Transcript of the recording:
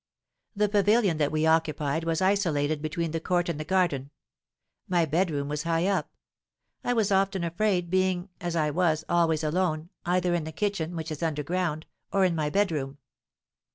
The pavilion that we occupied was isolated between the court and the garden. My bedroom was high up. I was often afraid, being, as I was, always alone, either in the kitchen, which is underground, or in my bedroom.